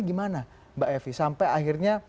gimana mbak evi sampai akhirnya